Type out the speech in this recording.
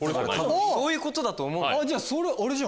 そういうことだと思うよ。